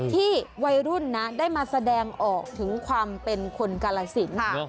วัยรุ่นนะได้มาแสดงออกถึงความเป็นคนกาลสิน